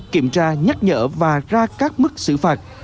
kiểm tra nhắc nhở và ra các mức xử phạt